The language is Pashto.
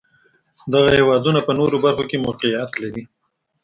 دغه هېوادونه په نورو برخو کې موقعیت لري.